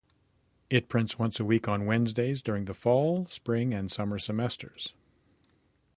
It prints once a week on Wednesdays during the fall, spring and summer semesters.